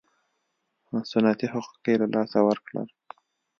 سنتي حقوق یې له لاسه ورکړل.